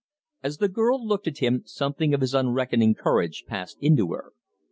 As the girl looked at him something of his unreckoning courage passed into her.